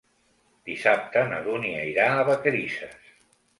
Dissabte na Dúnia irà a Vacarisses.